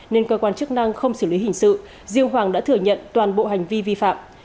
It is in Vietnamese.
nên cơ quan chức năng không xử lý hình sự riêng hoàng đã thừa nhận toàn bộ hành vi vi phạm